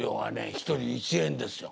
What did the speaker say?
一人１円ですよ。